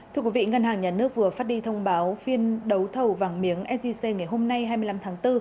thưa quý vị ngân hàng nhà nước vừa phát đi thông báo phiên đấu thầu vàng miếng sgc ngày hôm nay hai mươi năm tháng bốn